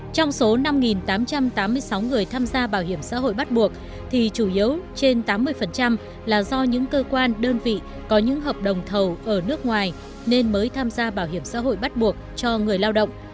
trong số năm tám trăm tám mươi sáu người tham gia bảo hiểm xã hội bắt buộc thì chủ yếu trên tám mươi là do những cơ quan đơn vị có những hợp đồng thầu ở nước ngoài nên mới tham gia bảo hiểm xã hội bắt buộc cho người lao động